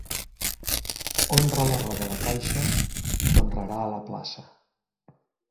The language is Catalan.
Honra la roba a la caixa i t'honrarà a la plaça.